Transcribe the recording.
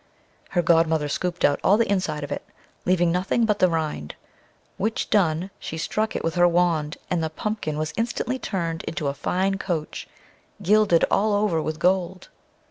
Her godmother scooped out all the inside of it, leaving nothing but the rind; which done, she struck it with her wand, and the pumpkin was instantly turned into a fine coach, gilded all over with gold.